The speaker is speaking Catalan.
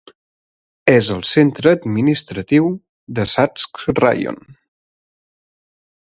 És el centre administratiu de Shatsk Raion.